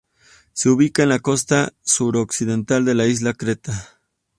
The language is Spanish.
Se ubica en la costa suroccidental de la isla de Creta.